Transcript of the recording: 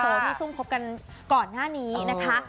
ที่ซุ่มคบกันก่อนหน้านี้นะคะ